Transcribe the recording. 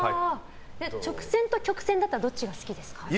直線と曲線だったらどっちが好きですか？